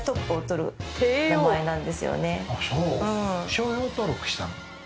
商標登録したの。